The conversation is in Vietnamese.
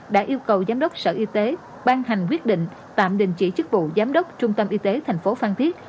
đã yêu cầu giám đốc sở y tế ban hành quyết định tạm đình chỉ chức vụ giám đốc trung tâm y tế thành phố phan thiết